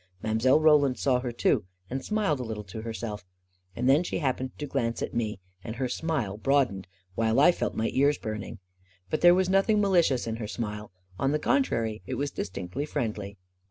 Mile. Roland saw her too, and smiled a little to herself; and then she happened to glance at me, and her smile broad ened, while I felt my ears burning. But there was nothing malicious in her smile. On the contrary, it was distinctly friendly.